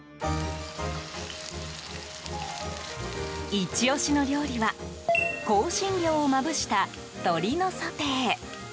イチ押しの料理は香辛料をまぶした鶏のソテー。